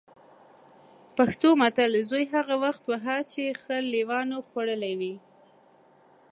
پښتو متل: زوی هغه وخت وهه چې خر لېوانو خوړلی وي.